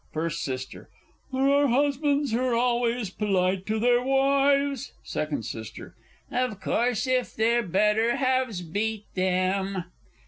First S. There are husbands who're always polite to their wives. Second S. Of course if their better halves beat them!